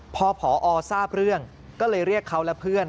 พอผอทราบเรื่องก็เลยเรียกเขาและเพื่อน